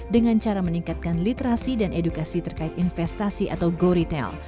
dengan cara meningkatkan literasi dan edukasi terkait investasi atau go retail